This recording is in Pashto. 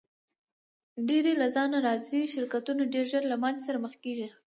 ډېری له ځانه راضي شرکتونه ډېر ژر له ماتې سره مخ کیږي.